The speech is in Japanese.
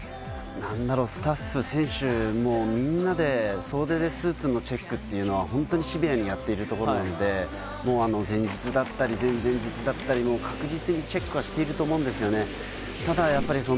スタッフ、選手、みんなで総出でスーツのチェックはシビアにやっているところなので、前日だったり、前々日だったり、確実にチェックはしていると思うんですよね。